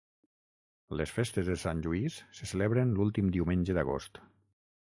Les festes de Sant Lluís se celebren l'últim diumenge d'agost.